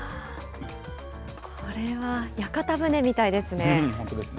これは、屋形船みたいですね。